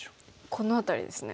この辺りですね。